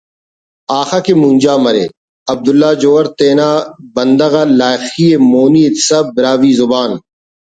اخہ کہ مونجا مرے '' عبداللہ جوہر تینا ہندا لائخی ءِ مونی اتسا براہوئی زبان